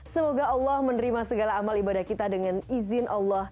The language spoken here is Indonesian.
semoga allah menerima segala amal ibadah kita dengan izin allah